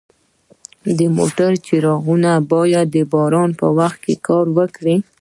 د موټر څراغونه باید د باران په وخت کار وکړي.